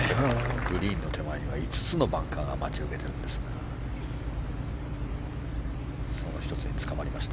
グリーンの手前には５つのバンカーが待ち受けているんですがその１つにつかまりました。